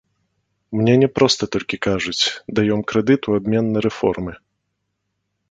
Мне не проста толькі кажуць, даём крэдыт у абмен на рэформы.